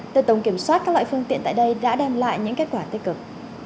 tờ tổng kiểm soát các loại phương tiện tại đây đã đem lại những kết quả tích cực